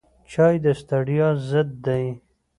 چای د ستړیا ضد دی